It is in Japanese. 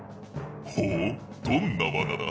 ほうどんなわなだ？